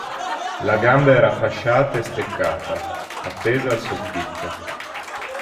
La gamba era fasciata e steccata, appesa al soffitto.